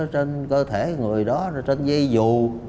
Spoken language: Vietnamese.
trên cơ thể người đó trên dây dù